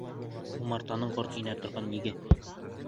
Умартаның ҡорт инә торған еге.